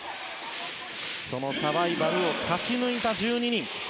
そのサバイバルを勝ち抜いた１２人。